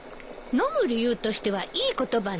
飲む理由としてはいい言葉ね。